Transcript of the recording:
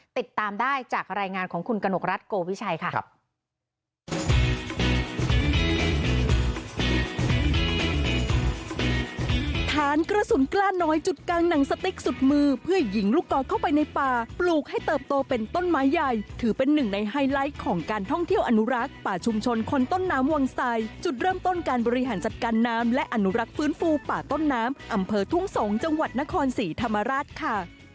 ติดตามได้จากรายงานของคุณกนกรัฐโกวิชัยค่ะ